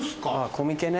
コミケね。